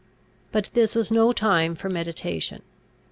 But this was no time for meditation.